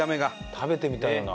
食べてみたいよな。